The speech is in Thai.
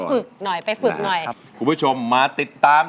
ฝึกหน่อยไปฝึกหน่อยครับคุณผู้ชมมาติดตาม